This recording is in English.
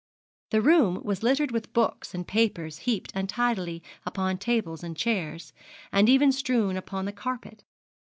The room was littered with books and papers heaped untidily upon tables and chairs, and even strewn upon the carpet.